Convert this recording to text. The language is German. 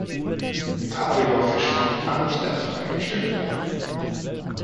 Der Kabeljaufischfang kann nicht einfach eingestellt werden.